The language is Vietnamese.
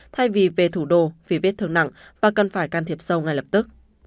thay vì về thủ đô vì vết thương nặng bà cần phải can thiệp sâu ngay lập tức